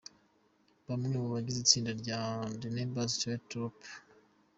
Bamwe mu bagize itsinda rya The Neighbor Theater Troop.